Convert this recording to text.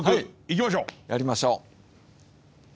やりましょう。